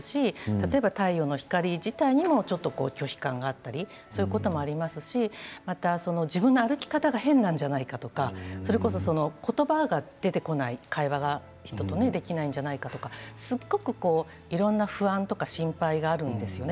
例えば太陽の光自体にも拒否感があったりということもありますしまた、自分の歩き方が変なんじゃないかとかそれこそ言葉が出てこない会話が人とできないんじゃないかとかすごくいろんな不安とか心配があるんですよね。